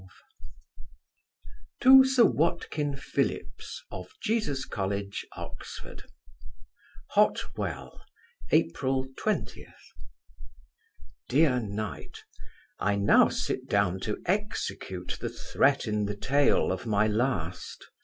MELFORD To Sir WATKIN PHILLIPS, of Jesus college, Oxon. HOT WELL, April 20. DEAR KNIGHT, I now sit down to execute the threat in the tail of my last.